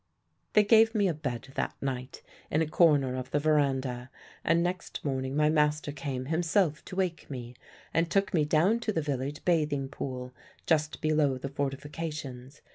"They gave me a bed that night in a corner of the verandah, and next morning my master came himself to wake me, and took me down to the village bathing pool, just below the fortifications.